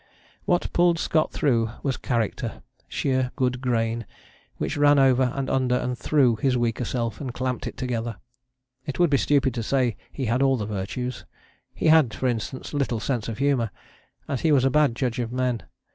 What pulled Scott through was character, sheer good grain, which ran over and under and through his weaker self and clamped it together. It would be stupid to say he had all the virtues: he had, for instance, little sense of humour, and he was a bad judge of men.